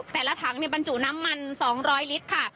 แต่ละถังบรรจุน้ำมัน๒๐๐ลิตรค่ะ